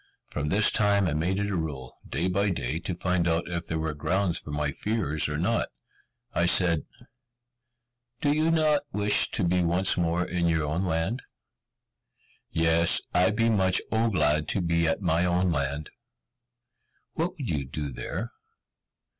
From this time I made it a rule, day by day, to find out if there were grounds for my fears or not. I said, "Do you not wish to be once more in your own land?" "Yes! I be much O glad to be at my own land." "What would you do there?